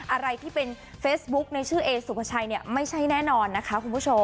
อะไรที่เป็นเฟซบุ๊คในชื่อเอสุภาชัยเนี่ยไม่ใช่แน่นอนนะคะคุณผู้ชม